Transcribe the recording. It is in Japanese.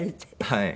はい。